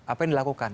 apa yang dilakukan